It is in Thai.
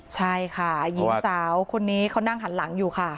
ใช่ค่ะหญิงสาวคนนี้เขานั่งหันหลังอยู่ค่ะ